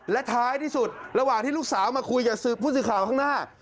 และท้ายที่สุดระหว่างที่ลูกสาวมาคุยกับผู้สื่อข่าวข้างหน้า